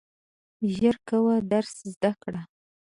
ژر کوه درس زده کړه !